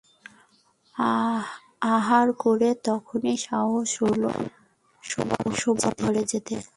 আহার করে তখনই সাহস হল না শোবার ঘরে যেতে।